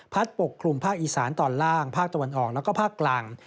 ปกคลุมภาคอีสานตอนล่างภาคตะวันออกแล้วก็ภาคกลาง